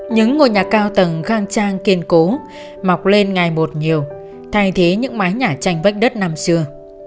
những ngôi nhà cao tầng khang trang kiên cố mọc lên ngày một nhiều thay thế những mái nhà tranh vách đất năm xưa